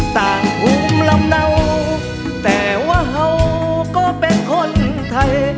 ต่างภูมิลำเนาแต่ว่าเขาก็เป็นคนไทย